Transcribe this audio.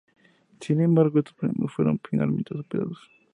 Sin embargo, estos problemas fueron finalmente superados.